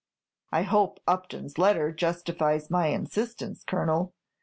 "I hope Upton's letter justifies my insistence, Colonel.